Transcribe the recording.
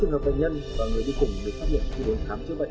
tám trường hợp bệnh nhân và người đi cùng được phát hiện